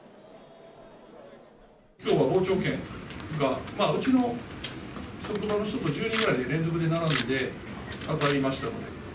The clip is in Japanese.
きょうは傍聴券が、うちの職場の人と１０人ぐらいで連続で並んで当たりましたので。